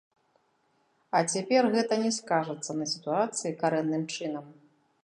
А цяпер гэта не скажацца на сітуацыі карэнным чынам.